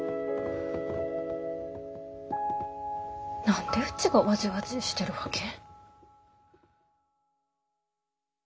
何でうちがわじわじーしてるわけ？